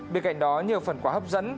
bên cạnh đó nhiều phần quà hấp dẫn